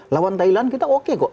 lawan thailand kita oke kok